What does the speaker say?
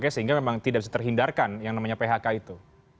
sehingga memang tidak bisa terhindarkan yang namanya phk itu